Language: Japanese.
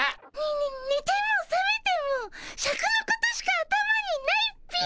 ねねてもさめてもシャクのことしか頭にないっピィ。